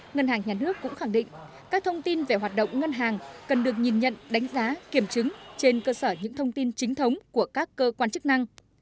ngân hàng nhà nước cũng khẳng định các thông tin về hoạt động ngân hàng cần được nhìn nhận đánh giá kiểm chứng trên cơ sở những thông tin chính thống của các cơ quan chức năng